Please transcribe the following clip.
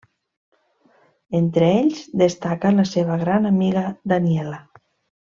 Entre ells destaca la seva gran amiga Daniela.